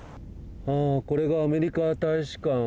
これがアメリカ大使館。